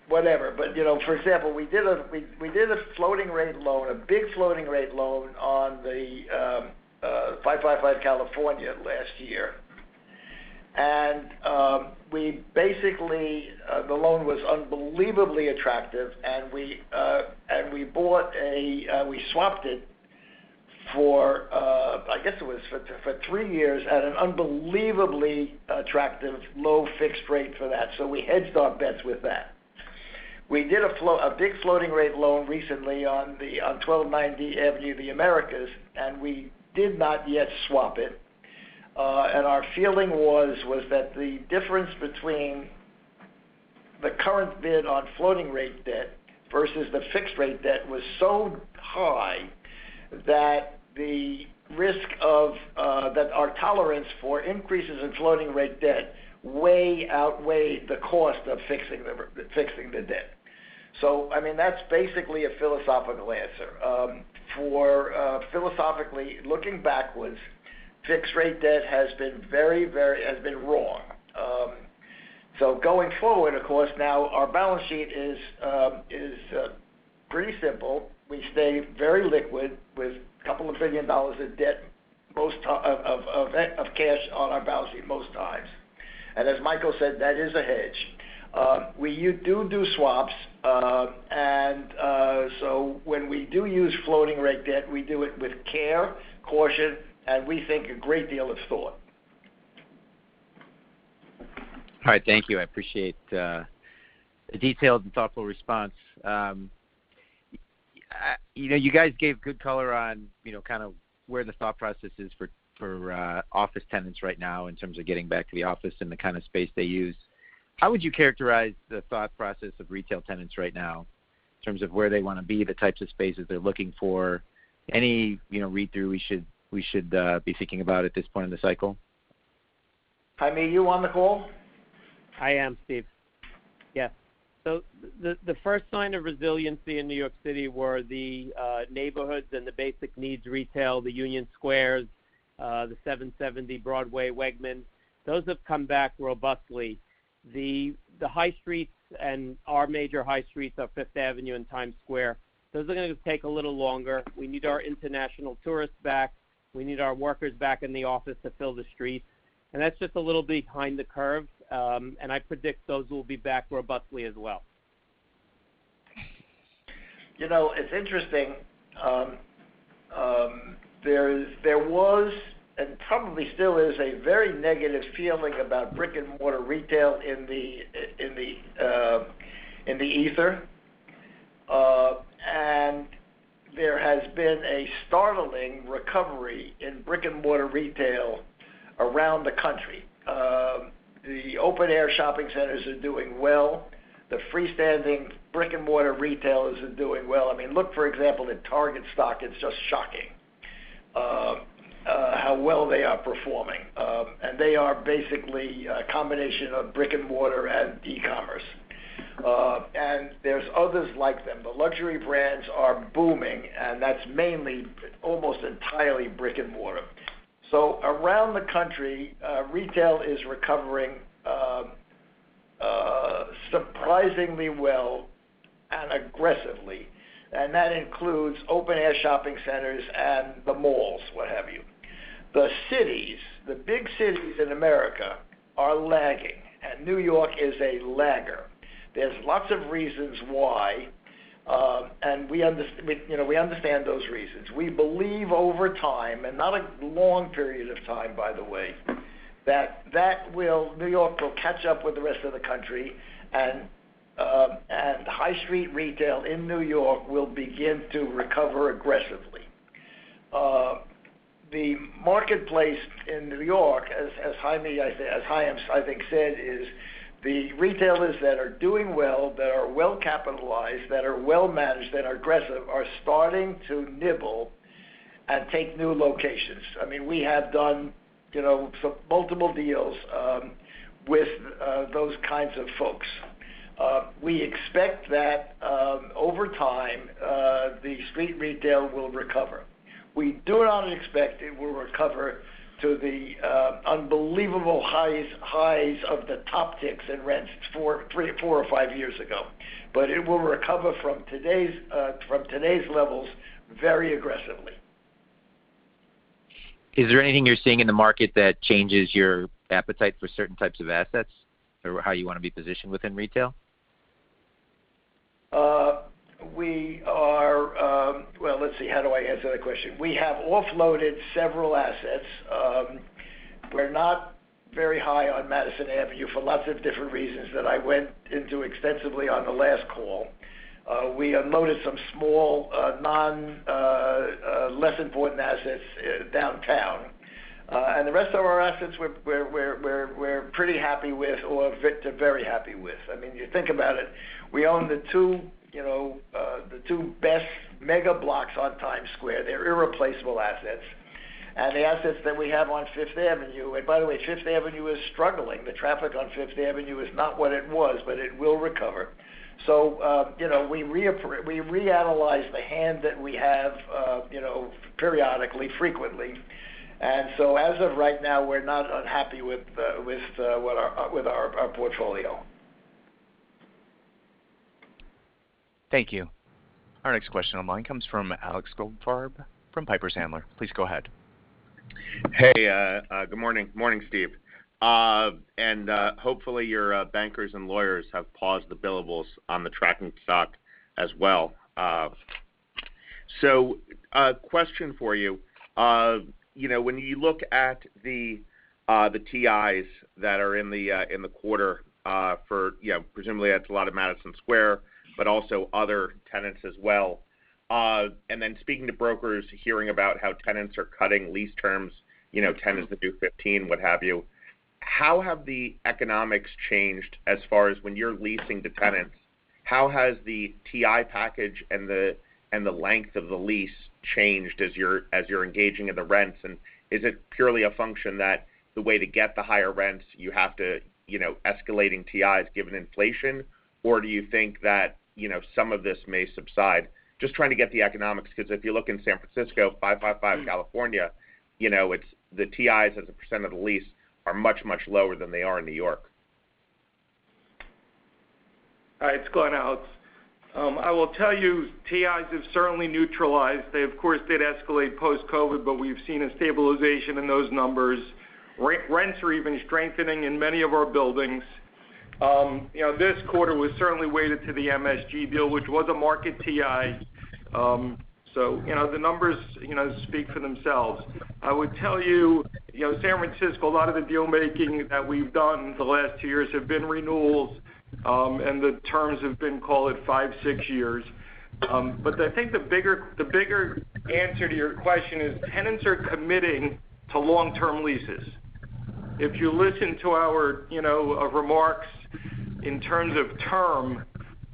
Whatever. You know, for example, we did a floating rate loan, a big floating rate loan on 555 California last year. We basically, the loan was unbelievably attractive, and we swapped it for, I guess it was for three years at an unbelievably attractive low fixed rate for that. We hedged our bets with that. We did a big floating rate loan recently on 1290 Avenue of the Americas, and we did not yet swap it. Our feeling was that the difference between the current bid on floating rate debt versus the fixed rate debt was so high that the risk that our tolerance for increases in floating rate debt outweighed the cost of fixing the debt. I mean, that's basically a philosophical answer. Philosophically, looking backwards, fixed rate debt has been very wrong. Going forward, of course, now our balance sheet is pretty simple. We stay very liquid with a couple of billion dollars of cash on our balance sheet most times. As Michael said, that is a hedge. We do swaps. When we do use floating rate debt, we do it with care, caution, and we think a great deal of thought. All right. Thank you. I appreciate the detailed and thoughtful response. You know, you guys gave good color on, you know, kind of where the thought process is for, office tenants right now in terms of getting back to the office and the kind of space they use. How would you characterize the thought process of retail tenants right now in terms of where they wanna be, the types of spaces they're looking for? Any, you know, read-through we should be thinking about at this point in the cycle? Haim, are you on the call? I am, Steve. Yes. The first sign of resiliency in New York City were the neighborhoods and the basic needs retail, the Union Squares, the 770 Broadway Wegmans. Those have come back robustly. The high streets and our major high streets are Fifth Avenue and Times Square. Those are gonna take a little longer. We need our international tourists back. We need our workers back in the office to fill the streets. That's just a little behind the curve, and I predict those will be back robustly as well. You know, it's interesting. There was, and probably still is, a very negative feeling about brick-and-mortar retail in the ether. There has been a startling recovery in brick-and-mortar retail around the country. The open-air shopping centers are doing well. The freestanding brick-and-mortar retailers are doing well. I mean, look, for example, at Target stock. It's just shocking how well they are performing. They are basically a combination of brick-and-mortar and e-commerce. There's others like them. The luxury brands are booming, and that's mainly almost entirely brick-and-mortar. Around the country, retail is recovering surprisingly well and aggressively, and that includes open-air shopping centers and the malls, what have you. The cities, the big cities in America are lagging, and New York is a lagger. There's lots of reasons why, you know, we understand those reasons. We believe over time, and not a long period of time, by the way, that New York will catch up with the rest of the country, and high street retail in New York will begin to recover aggressively. The marketplace in New York, as Haim, I think, said, is the retailers that are doing well, that are well-capitalized, that are well-managed, that are aggressive, are starting to nibble and take new locations. I mean, we have done, you know, multiple deals with those kinds of folks. We expect that over time, the street retail will recover. We do not expect it will recover to the unbelievable highs of the top tier in rents three, four or five years ago. It will recover from today's levels very aggressively. Is there anything you're seeing in the market that changes your appetite for certain types of assets or how you wanna be positioned within retail? Well, let's see, how do I answer that question? We have offloaded several assets. We're not very high on Madison Avenue for lots of different reasons that I went into extensively on the last call. We unloaded some small, less important assets downtown. The rest of our assets we're pretty happy with or very happy with. I mean, you think about it, we own the two, you know, the two best mega blocks on Times Square. They're irreplaceable assets. The assets that we have on Fifth Avenue. By the way, Fifth Avenue is struggling. The traffic on Fifth Avenue is not what it was, but it will recover. You know, we reanalyze the hand that we have, you know, periodically, frequently. As of right now, we're not unhappy with what our portfolio. Thank you. Our next question online comes from Alexander Goldfarb from Piper Sandler. Please go ahead. Hey, good morning. Morning, Steve. Hopefully, your bankers and lawyers have paused the billables on the tracking stock as well. A question for you. You know, when you look at the TIs that are in the quarter, for, you know, presumably that's a lot of Madison Square, but also other tenants as well. Then speaking to brokers, hearing about how tenants are cutting lease terms, you know, 10 is the new 15, what have you. How have the economics changed as far as when you're leasing to tenants, how has the TI package and the length of the lease changed as you're engaging in the rents? Is it purely a function that the way to get the higher rents, you have to, you know, escalating TIs given inflation? Do you think that, you know, some of this may subside? Just trying to get the economics, because if you look in San Francisco, 555 California, you know, it's the TIs as a percent of the lease are much, much lower than they are in New York. All right. Go on, Alex. I will tell you, TIs have certainly neutralized. They, of course, did escalate post-COVID, but we've seen a stabilization in those numbers. Rents are even strengthening in many of our buildings. You know, this quarter was certainly weighted to the MSG deal, which was a market TI. So, you know, the numbers, you know, speak for themselves. I would tell you know, San Francisco, a lot of the deal-making that we've done the last two years have been renewals, and the terms have been, call it, five, six years. I think the bigger answer to your question is, tenants are committing to long-term leases. If you listen to our, you know, remarks in terms of term,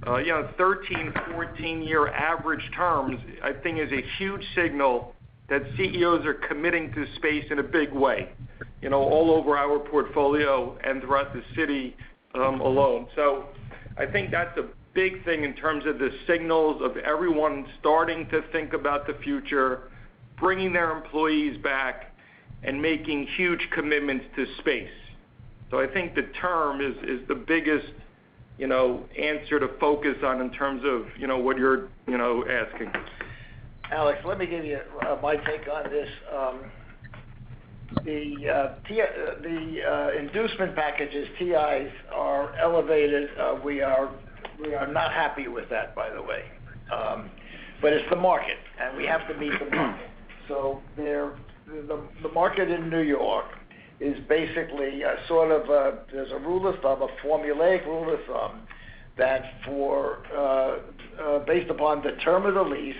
you know 13, 14 year average terms, I think is a huge signal that CEOs are committing to space in a big way, you know, all over our portfolio and throughout the city, alone. I think that's a big thing in terms of the signals of everyone starting to think about the future, bringing their employees back, and making huge commitments to space. I think the term is the biggest, you know, answer to focus on in terms of, you know, what you're, you know, asking. Alex, let me give you my take on this. The inducement packages, TIs are elevated. We are not happy with that, by the way. It's the market, and we have to meet the market. The market in New York is basically a sort of a. There's a rule of thumb, a formulaic rule of thumb, that based upon the term of the lease,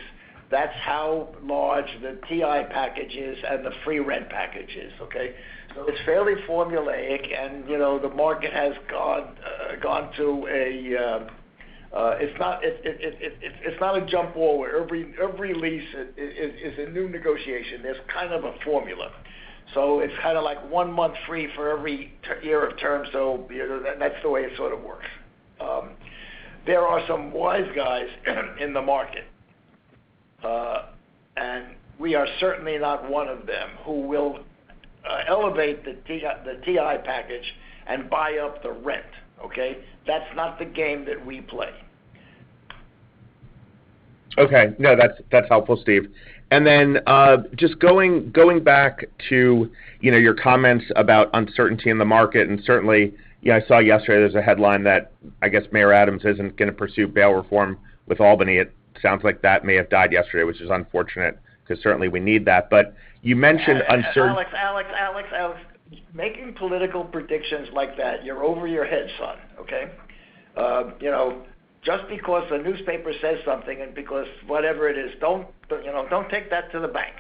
that's how large the TI package is and the free rent package is. Okay. It's fairly formulaic, and you know, the market has gone to a. It's not a jump forward. Every lease is a new negotiation. There's kind of a formula. It's kinda like one month free for every ten-year term, you know, that's the way it sort of works. There are some wise guys in the market, and we are certainly not one of them, who will elevate the TI package and buy up the rent. Okay. That's not the game that we play. Okay. No, that's helpful, Steve. Then, just going back to, you know, your comments about uncertainty in the market, and certainly, you know, I saw yesterday there's a headline that, I guess, Eric Adams isn't gonna pursue bail reform with Albany. It sounds like that may have died yesterday, which is unfortunate, because certainly we need that. You mentioned uncertain. Alex, making political predictions like that, you're over your head, son, okay? You know, just because a newspaper says something and because whatever it is, don't, you know, don't take that to the bank.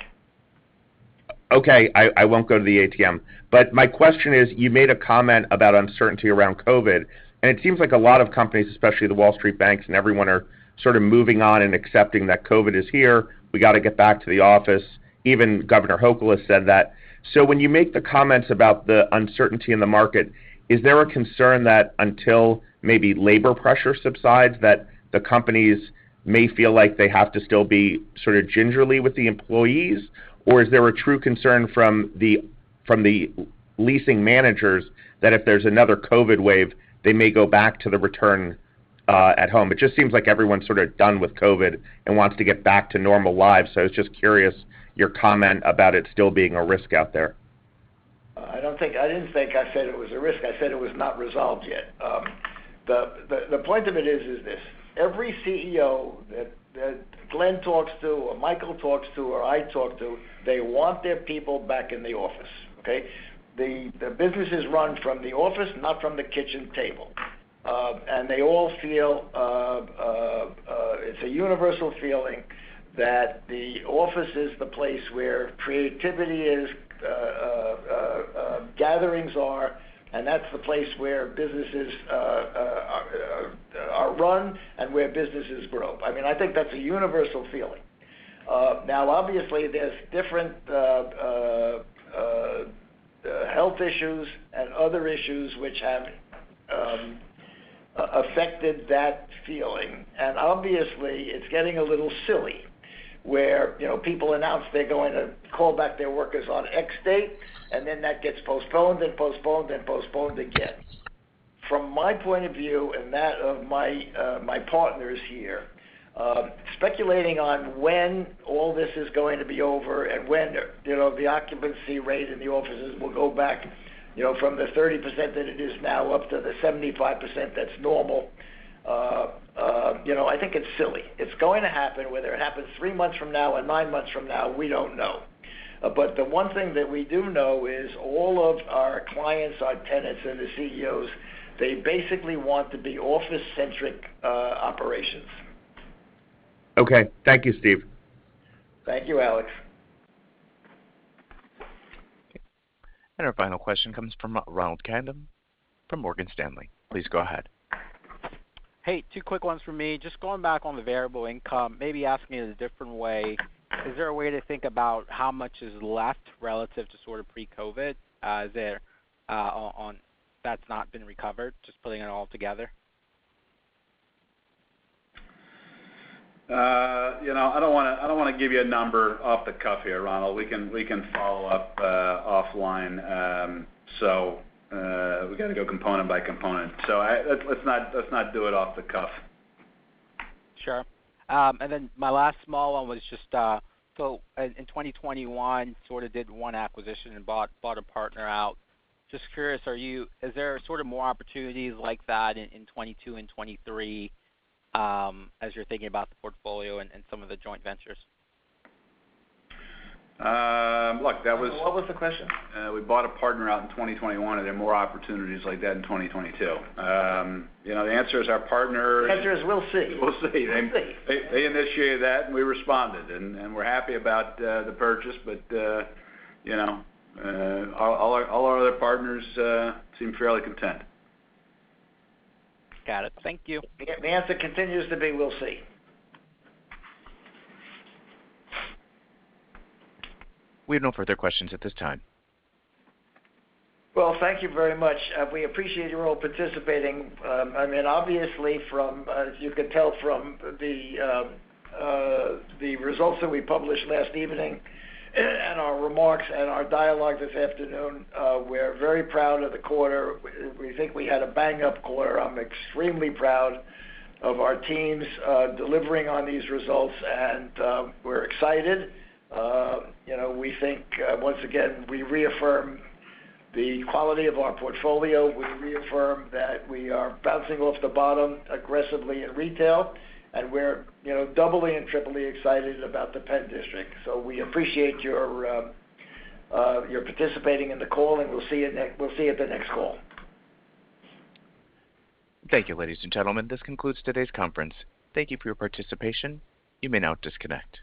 Okay, I won't go to the ATM. My question is, you made a comment about uncertainty around COVID, and it seems like a lot of companies, especially the Wall Street banks and everyone, are sort of moving on and accepting that COVID is here. We gotta get back to the office. Even Kathy Hochul has said that. When you make the comments about the uncertainty in the market, is there a concern that until maybe labor pressure subsides, that the companies may feel like they have to still be sort of gingerly with the employees? Or is there a true concern from the leasing managers that if there's another COVID wave, they may go back to the return at home? It just seems like everyone's sort of done with COVID and wants to get back to normal lives. I was just curious about your comment about it still being a risk out there? I didn't think I said it was a risk. I said it was not resolved yet. The point of it is this: every CEO that Glen talks to or Michael talks to or I talk to, they want their people back in the office, okay? The business is run from the office, not from the kitchen table. They all feel it's a universal feeling that the office is the place where creativity is, gatherings are, and that's the place where businesses are run and where businesses grow. I mean, I think that's a universal feeling. Now, obviously, there's different health issues and other issues which have affected that feeling. Obviously, it's getting a little silly where, you know, people announce they're going to call back their workers on X date, and then that gets postponed and postponed and postponed again. From my point of view and that of my partners here, speculating on when all this is going to be over and when the, you know, the occupancy rate in the offices will go back, you know, from the 30% that it is now up to the 75% that's normal, you know, I think it's silly. It's going to happen. Whether it happens three months from now or nine months from now, we don't know. The one thing that we do know is all of our clients, our tenants, and the CEOs, they basically want to be office-centric operations. Okay. Thank you, Steve. Thank you, Alex. Our final question comes from Ronald Kamdem from Morgan Stanley. Please go ahead. Hey, two quick ones for me. Just going back on the variable income, maybe asking it a different way, is there a way to think about how much is left relative to sort of pre-COVID, that's not been recovered, just putting it all together? You know, I don't wanna give you a number off the cuff here, Ronald. We can follow up offline. We gotta go component by component. Let's not do it off the cuff. Sure. My last small one was just, in 2021, sort of did one acquisition and bought a partner out. Just curious, is there sort of more opportunities like that in 2022 and 2023, as you're thinking about the portfolio and some of the joint ventures? Look, that was. What was the question? We bought a partner out in 2021. Are there more opportunities like that in 2022? You know, the answer is we'll see. We'll see. They initiated that, and we responded, and we're happy about the purchase. You know, all our other partners seem fairly content. Got it. Thank you. The answer continues to be we'll see. We have no further questions at this time. Well, thank you very much. We appreciate you all participating. I mean, obviously, as you can tell from the results that we published last evening and our remarks and our dialogue this afternoon, we're very proud of the quarter. We think we had a bang-up quarter. I'm extremely proud of our teams delivering on these results, and we're excited. You know, we think, once again, we reaffirm the quality of our portfolio. We reaffirm that we are bouncing off the bottom aggressively in retail, and we're, you know, doubly and triply excited about the Penn District. We appreciate your participating in the call, and we'll see you at the next call. Thank you, ladies and gentlemen. This concludes today's conference. Thank you for your participation. You may now disconnect.